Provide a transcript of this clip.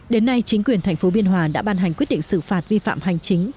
đến nay chính quyền thành phố biên hòa đã ban hành quyết định xử phạt vi phạm hành chính